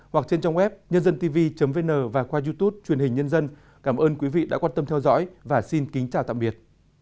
hoặc trên trang web nhândântv vn và qua youtube truyền hình nhân dân cảm ơn quý vị đã quan tâm theo dõi và xin kính chào tạm biệt